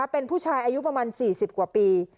เป็นผู้ชายอายุประมาณ๔๐กว่าปี